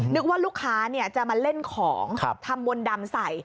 นึกว่าลูกค้าจะมาเล่นของทำมนต์ดำใส่